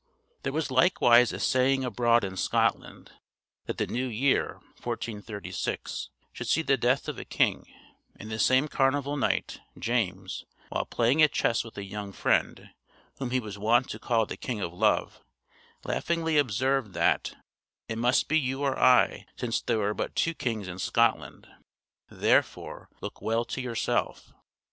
There was likewise a saying abroad in Scotland, that the new year, 1436, should see the death of a king; and this same carnival night, James, while playing at chess with a young friend, whom he was wont to call the king of love, laughingly observed that "it must be you or I, since there are but two kings in Scotland therefore, look well to yourself."